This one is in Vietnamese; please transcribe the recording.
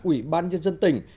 ủy ban nhân dân tỉnh